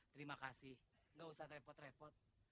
terima kasih gak usah repot repot